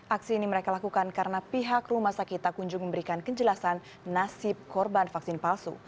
aksi ini mereka lakukan karena pihak rumah sakit tak kunjung memberikan kejelasan nasib korban vaksin palsu